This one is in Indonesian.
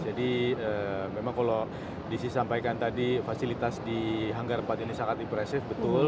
jadi memang kalau disampaikan tadi fasilitas di hangar empat ini sangat impresif betul